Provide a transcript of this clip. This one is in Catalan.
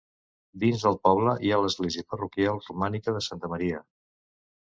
Dins del poble hi ha l'església parroquial romànica de Santa Maria.